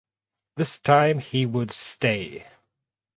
This time he would stay.